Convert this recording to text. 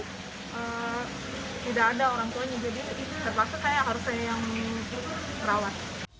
tidak ada orang tuanya jadi terpaksa saya harus saya yang merawat